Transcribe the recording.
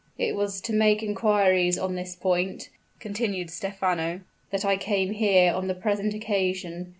"It was to make inquiries on this point," continued Stephano, "that I came here on the present occasion.